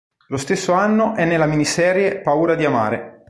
Lo stesso anno è nella miniserie "Paura di amare".